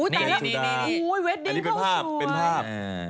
อุ๊ยเวดดิ้งเขาก็สวยอันนี้เป็นภาพเป็นภาพ